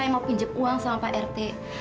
saya mau pinjam uang sama pak rt